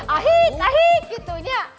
ahik ahik gitunya